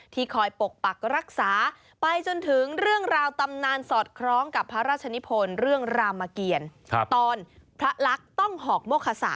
คอยปกปักรักษาไปจนถึงเรื่องราวตำนานสอดคล้องกับพระราชนิพลเรื่องรามเกียรตอนพระลักษณ์ต้องหอกโมคสะ